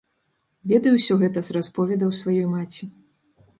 Ведаю ўсё гэта з расповедаў сваёй маці.